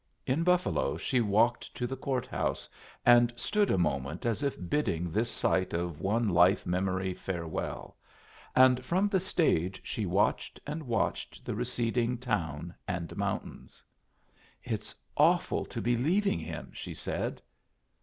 In Buffalo she walked to the court house and stood a moment as if bidding this site of one life memory farewell, and from the stage she watched and watched the receding town and mountains. "It's awful to be leaving him!" she said.